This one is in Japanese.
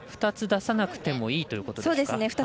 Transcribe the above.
２つ出さなくてもいいということですね。